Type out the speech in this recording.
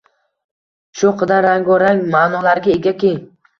shu qadar rango-rang ma’nolarga egaki